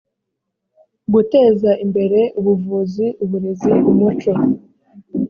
guteza imbere ubuvuzi uburezi umuco